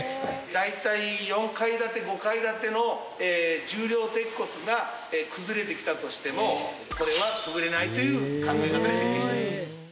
大体４階建て５階建ての重量鉄骨が崩れてきたとしてもこれは潰れないという考え方で設計しております。